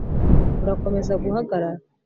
urakomeza guhagarara.